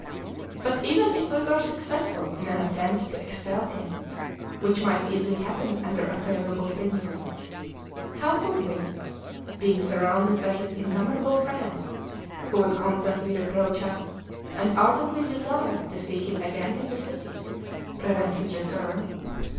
But even if we were successful in an attempt to expel him (which might easily happen under a favorable Signory), how could we (being surrounded by his innumerable friends, who would constantly reproach us, and ardently desire to see him again in the city) prevent his return?